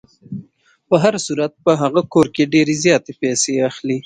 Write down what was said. په هر صورت په هغه کور کې ډېرې زیاتې پیسې اخلي.